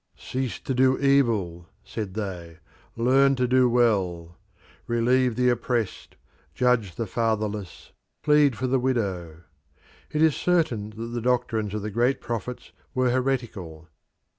"Cease to do evil," said they; "learn to do well; relieve the oppressed; judge the fatherless; plead for the widow." It is certain that the doctrines of the great prophets were heretical.